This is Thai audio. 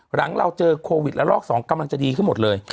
หลังเราเจอโควิดละลอก๒กำลังจะดีขึ้นหมดเลย